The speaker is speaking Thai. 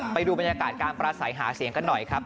ไปดูบรรยากาศการปราศัยหาเสียงกันหน่อยครับ